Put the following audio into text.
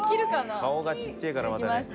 顔がちっちぇえからまたね。